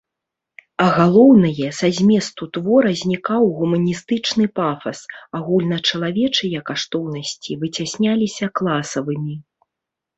А галоўнае, са зместу твора знікаў гуманістычны пафас, агульначалавечыя каштоўнасці выцясняліся класавымі.